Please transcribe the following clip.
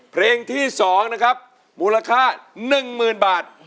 เพลงที่๒นะครับมูลค่า๑๐๐๐บาท